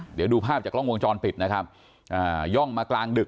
เดี๋ยวดูภาพจากกล้องวงจรปิดนะครับอ่าย่องมากลางดึก